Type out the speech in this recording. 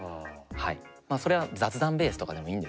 まあそれは雑談ベースとかでもいいんですけど。